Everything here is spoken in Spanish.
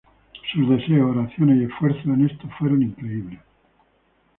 Sus deseos, oraciones y esfuerzos en esto fueron increíbles.